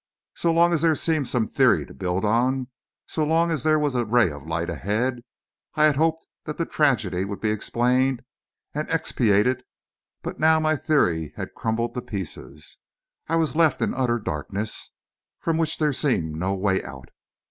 So long as there seemed some theory to build on, so long as there was a ray of light ahead, I had hoped that the tragedy would be explained and expiated; but now my theory had crumbled to pieces; I was left in utter darkness, from which there seemed no way out.